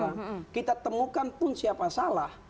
nah kita temukan pun siapa salah